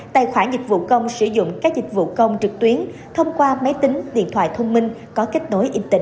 tài khoản dịch vụ công sử dụng các dịch vụ công trực tuyến thông qua máy tính điện thoại thông minh có kết nối internet